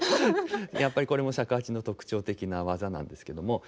やっぱりこれも尺八の特徴的な技なんですけども。